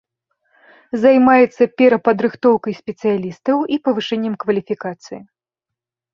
Займаецца перападрыхтоўкай спецыялістаў і павышэннем кваліфікацыі.